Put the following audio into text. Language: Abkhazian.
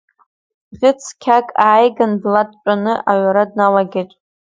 Бӷьыц цқьак ааиган длатәаны аҩра дналагеит.